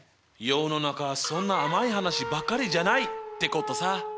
世の中そんな甘い話ばかりじゃない！ってことさ。